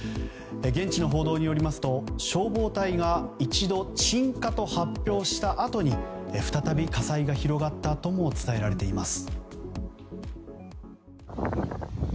現地の報道によりますと消防隊が一度鎮火と発表したあとに再び火災が広がったとも伝えられています。